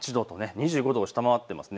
２５度を下回っていますね。